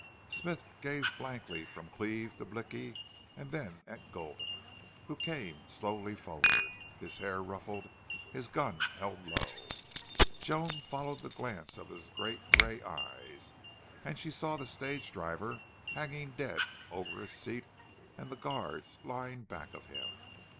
Smith gazed blankly from Cleve to Blicky, and then at Gulden, who came slowly forward, his hair ruffed, his gun held low. Joan followed the glance of his great gray eyes, and she saw the stage driver hanging dead over his seat, and the guards lying back of him.